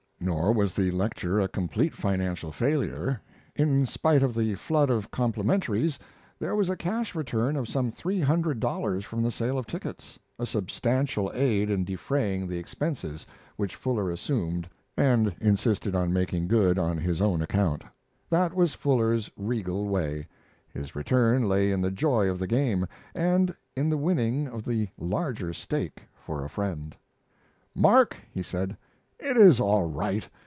Nor was the lecture a complete financial failure. In spite of the flood of complementaries, there was a cash return of some three hundred dollars from the sale of tickets a substantial aid in defraying the expenses which Fuller assumed and insisted on making good on his own account. That was Fuller's regal way; his return lay in the joy of the game, and in the winning of the larger stake for a friend. "Mark," he said, "it is all right.